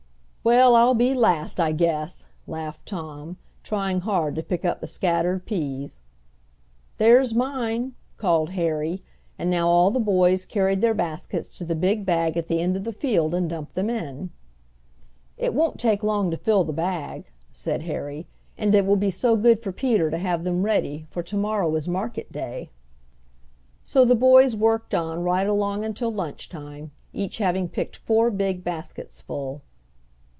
"Well, I'll be last I guess," laughed Tom, trying hard to pick up the scattered peas. "There's mine!" called Harry, and now all the boys carried their baskets to the big bag at the end of the field and dumped them in. "It won't take long to fill the bag," said Harry, "and it will be so good for Peter to have them ready, for to morrow is market day." So the boys worked on right along until lunch time, each having picked four big baskets full.